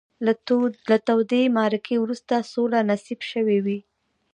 له تودې معرکې وروسته سوله نصیب شوې وي.